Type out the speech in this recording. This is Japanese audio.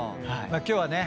今日はね